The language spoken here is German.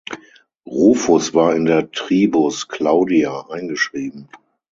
Rufus war in der Tribus "Claudia" eingeschrieben.